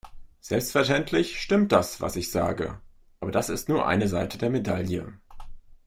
Selbstverständlich stimmt das, was ich sage, aber das ist nur eine Seite der Medaille.